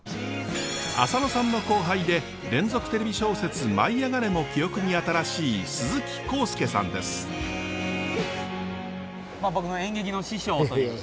浅野さんの後輩で連続テレビ小説「舞いあがれ！」も記憶に新しい僕の演劇の師匠という。